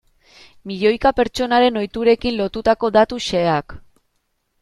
Milioika pertsonaren ohiturekin lotutako datu xeheak.